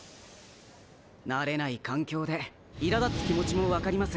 慣れない環境でイラだつ気持ちも分かります。